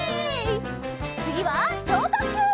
つぎはちょうとっきゅう！